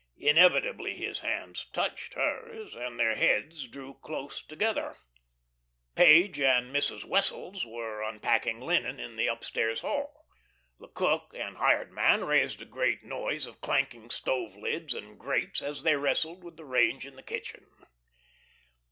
Inevitably his hands touched hers, and their heads drew close together. Page and Mrs. Wessels were unpacking linen in the upstairs hall. The cook and hired man raised a great noise of clanking stove lids and grates as they wrestled with the range in the kitchen.